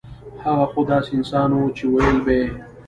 هغه خو داسې انسان وو چې وييل به يې